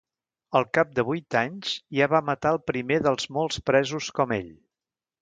Al cap de vuit anys ja va matar al primer dels molts presos com ell.